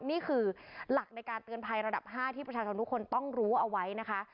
นี่คือหลักในการเตือนภัยระดับ๕ที่ประชาชนทุกคนต้องรู้เอาไว้นะคะ